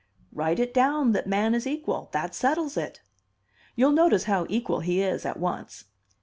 Write it down that man is equal. That settles it. You'll notice how equal he is at once.